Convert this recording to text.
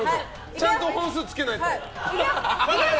ちゃんと本数つけないと。